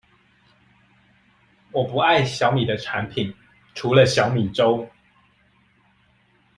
我不愛用小米的產品，除了小米粥